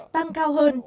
tăng cao hơn